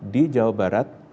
di jawa barat